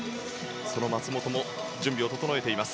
その松元も準備を整えています。